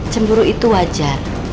cemburu itu wajar